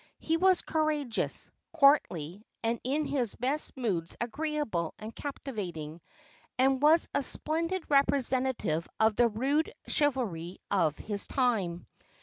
He was courageous, courtly, and in his best moods agreeable and captivating, and was a splendid representative of the rude chivalry of his time.